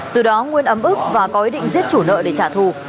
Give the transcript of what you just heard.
từ đó nguyên ấm ức và có ý định giết chủ nợ để trả thù